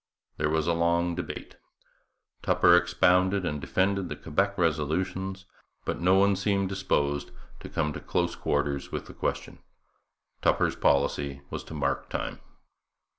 There was a long debate; Tupper expounded and defended the Quebec resolutions; but no one seemed disposed to come to close quarters with the question. Tupper's policy was to mark time.